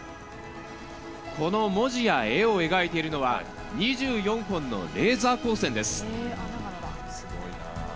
この文字や絵を描いているのは、２４本のレーザー光線です。